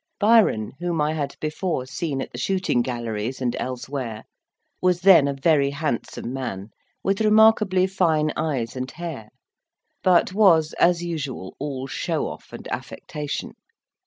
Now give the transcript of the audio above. Byron, whom I had before seen at the shooting galleries and elsewhere, was then a very handsome man, with remarkably fine eyes and hair; but was, as usual, all show off and affectation.